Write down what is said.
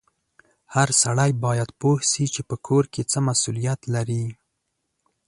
هر سړی باید پوه سي چې په کور کې څه مسولیت لري